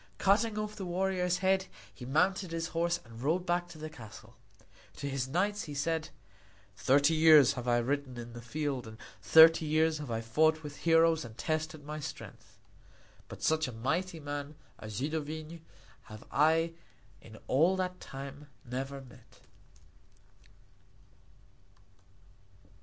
Cutting off the warrior's head, he mounted his horse and rode back to the castle. To his knights he said: "Thirty years have I ridden in the field and thirty years have I fought with heroes and tested my strength; but such a mighty man as Zidovin have I in all that time never met."